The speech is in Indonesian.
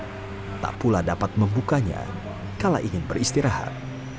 mereka juga tak dapat membukanya kala ingin beristirahat